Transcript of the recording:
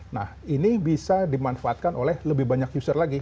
nah ini bisa dimanfaatkan oleh lebih banyak user lagi